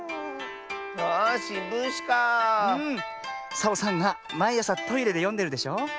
サボさんがまいあさトイレでよんでるでしょ？